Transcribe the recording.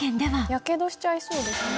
やけどしちゃいそうですね。